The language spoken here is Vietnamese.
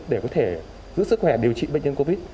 để có thể giữ sức khỏe điều trị bệnh nhân covid